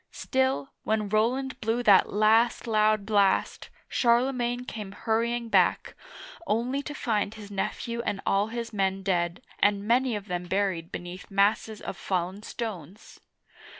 Still, when Roland blew that last loud blast, Charlemagne came hurrying back, only to find his nephew and all his men dead, and many of them buried beneath masses of fallen stones